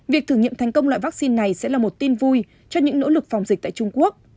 việc thử nghiệm thành công loại vaccine này sẽ là một tin vui cho những nỗ lực phòng dịch tại trung quốc